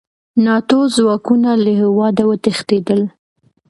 ناټو ځواکونه له هېواده وتښتېدل.